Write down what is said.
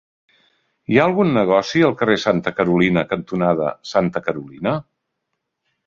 Hi ha algun negoci al carrer Santa Carolina cantonada Santa Carolina?